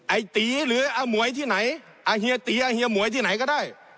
ไอ้ตีหรืออาหมวยที่ไหนเฮียตีเฮียหมวยที่ไหนก็ได้